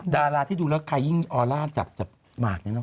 ดาราที่ดูแล้วใครยิ่งออร่าจับหมากเนี่ยเน